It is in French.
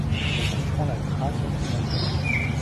Elle comprend la Thrace occidentale.